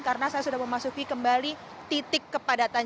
karena saya sudah memasuki kembali titik kepadatan